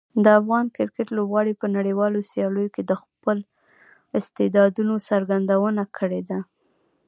د افغان کرکټ لوبغاړي په نړیوالو سیالیو کې د خپلو استعدادونو څرګندونه کړې ده.